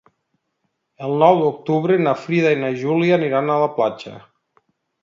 El nou d'octubre na Frida i na Júlia aniran a la platja.